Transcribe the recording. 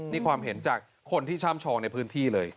นี่ความเห็นจากคนที่ช่ำชองในพื้นที่เลย